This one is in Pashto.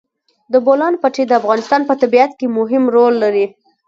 د بولان پټي د افغانستان په طبیعت کې مهم رول لري.